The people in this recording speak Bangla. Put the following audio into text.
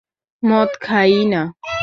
মদ খায়ই না।